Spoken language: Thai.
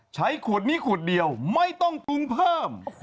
ใช้ขวดนี้ขวดเดียวไม่ต้องปรุงเพิ่ม